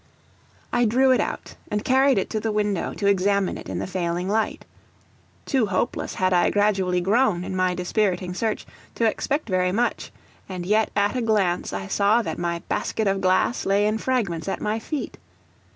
I drew it out and carried it to the window, to examine it in the failing light. Too hopeless had I gradually grown, in my dispiriting search, to expect very much; and yet at a glance I saw that my basket of glass lay in fragments at my feet.